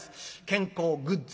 健康グッズ